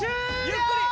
ゆっくり。